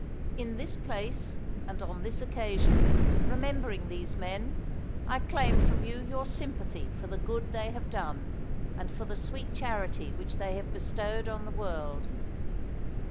In this place, and on this occasion, remembering these men, I claim from you your sympathy for the good they have done, and for the sweet charity which they have bestowed on the world.